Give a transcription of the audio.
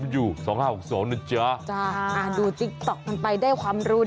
โยก